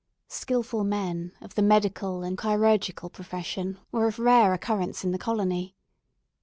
Skilful men, of the medical and chirurgical profession, were of rare occurrence in the colony.